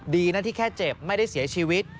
ดีนะที่แค่เจ็บไม่ได้เสียชีวิต